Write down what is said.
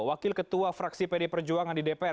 wakil ketua fraksi pd perjuangan di dpr